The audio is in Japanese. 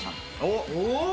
おっ！